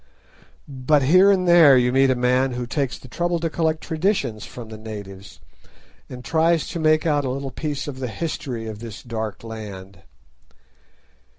But here and there you meet a man who takes the trouble to collect traditions from the natives, and tries to make out a little piece of the history of this dark land.